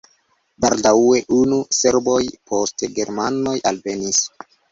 Baldaŭe unue serboj, poste germanoj alvenis.